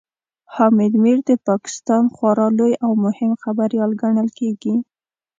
حامد میر د پاکستان خورا لوی او مهم خبريال ګڼل کېږي